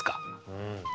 うん。